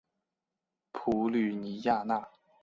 普吕尼亚讷。